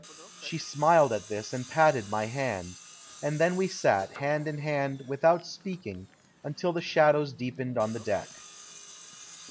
She smiled at this and patted my hand, and then we sat, hand in hand, without speaking, until the shadows deepened on the deck.